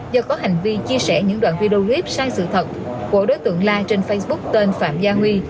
do có hành vi chia sẻ những đoạn video clip sai sự thật của đối tượng lan trên facebook tên phạm gia huy